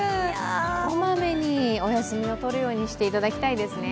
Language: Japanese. こまめにお休みを取るようにしていただきたいですね。